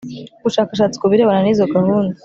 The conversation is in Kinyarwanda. ubushakashatsi ku birebana nizo gahunda